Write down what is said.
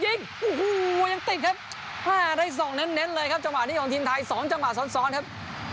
ยิงโอ้โหยังติดครับอ่าได้ส่งเน้นเน้นเลยครับจังหวาดนี้ของทีนไทรสองจังหวาดซ้อนซ้อนครับ